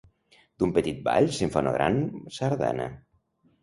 D'un petit ball se'n fa una gran sardana.